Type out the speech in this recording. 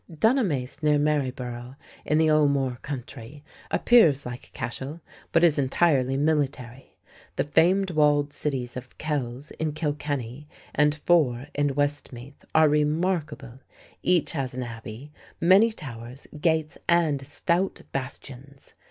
Dunamace, near Maryborough, in the O'More country, appears like Cashel, but is entirely military. The famed walled cities of Kells, in Kilkenny, and Fore, in Westmeath, are remarkable. Each has an abbey, many towers, gates, and stout bastions.